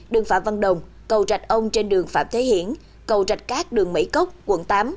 đường phạm văn đồng cầu rạch ông trên đường phạm thế hiển cầu rạch cát đường mấy cốc quận tám